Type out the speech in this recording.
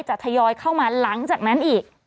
ทยอยเข้ามาหลังจากนั้นอีก